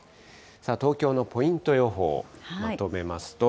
東京のポイント予報、まとめますと。